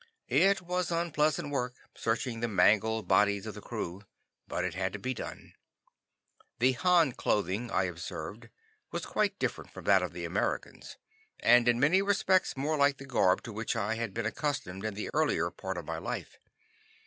It was unpleasant work searching the mangled bodies of the crew. But it had to be done. The Han clothing, I observed, was quite different from that of the Americans, and in many respects more like the garb to which I had been accustomed in the earlier part of my life.